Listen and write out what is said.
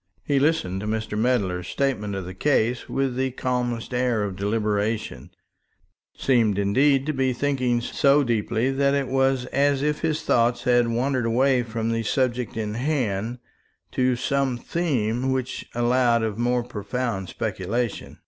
He listened to Mr. Medler's statement of the case with the calmest air of deliberation, seemed indeed to be thinking so deeply that it was as if his thoughts had wandered away from the subject in hand to some theme which allowed of more profound speculation.